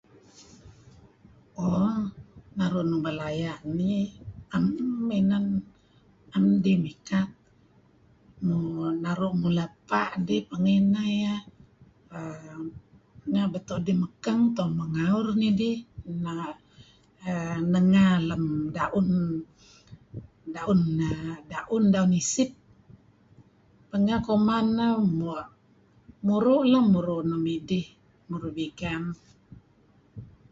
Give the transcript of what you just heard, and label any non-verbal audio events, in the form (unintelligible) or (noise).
Mo. naru' nuba' laya' nih, em ineh, 'em dih mikat. Nu... naru' mula' pa' dih. Pengeh ineh yeh err... nga' beto' idih megkeng, tu'en muh ngaur nidih, na'...err... nega lem da'un, da'un er..., da'un isip. Pengeh kuman mua', (unintelligible) muru' leh. Muru' nuk midih. Muru' bigan,